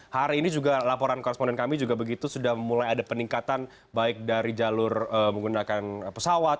hari ini juga laporan koresponden kami juga begitu sudah mulai ada peningkatan baik dari jalur menggunakan pesawat